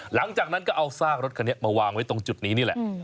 หลังจากนั้นก็เอาซากรถคันนี้มาวางไว้ตรงจุดนี้นี่แหละ